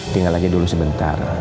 tinggal aja dulu sebentar